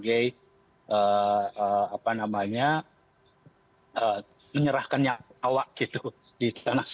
jadi untuk api api firm harus kita men an tiwar lansia yang cuma ber ainda ber smell